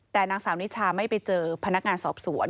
แต่นางสาวนิชาไม่ไปเจอพนักงานสอบสวน